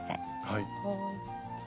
はい。